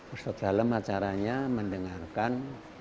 ustadz dalam acaranya mendengarkan